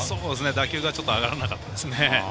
打球がちょっと上がらなかったですね。